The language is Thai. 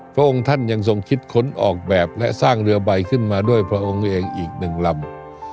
พระองค์ท่านยังทรงคิดค้นออกแบบและสร้างเรือใบขึ้นมาด้วยพระองค์เองอีกหนึ่งลำ